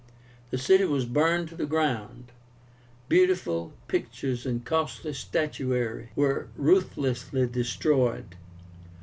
The city was burned to the ground; beautiful pictures and costly statuary were ruthlessly destroyed.